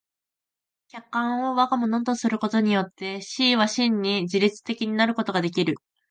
客観を我が物とすることによって思惟は真に自律的になることができる。